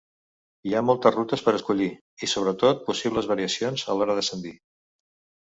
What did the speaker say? Hi ha moltes rutes per escollir, i sobretot possibles variacions a l'hora d'ascendir.